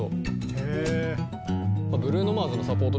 へえ。